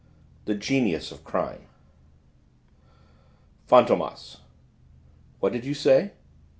THE GENIUS OF CRIME "Fantômas." "What did you say?"